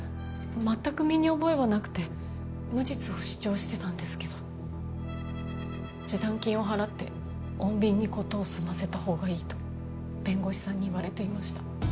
全く身に覚えはなくて無実を主張してたんですけど示談金を払って穏便に事を済ませた方がいいと弁護士さんに言われていました